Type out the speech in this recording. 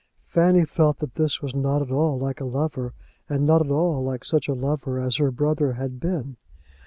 Fanny felt that this was not at all like a lover, and not at all like such a lover as her brother had been.